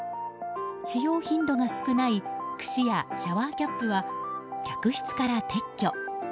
使用頻度が少ないくしやシャワーキャップは客室から撤去。